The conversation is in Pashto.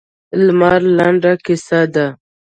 لمر لنډه کیسه ده.